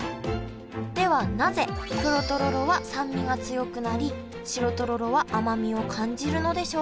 ではなぜ黒とろろは酸味が強くなり白とろろは甘みを感じるのでしょうか？